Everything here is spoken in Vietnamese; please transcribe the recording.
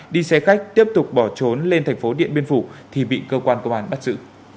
đi xe khách tiếp tục bỏ trốn lên thành phố điện biên phủ thì bị cơ quan công an bắt giữ